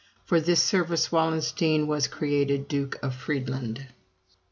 For this service Wallenstein was created Duke of Friedland.